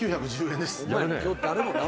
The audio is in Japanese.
８９１０円です。